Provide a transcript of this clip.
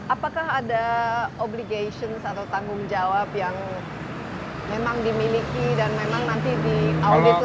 apakah ada obligasi atau tanggung jawab yang memang dimiliki dan memang nanti diaudit lagi bahwa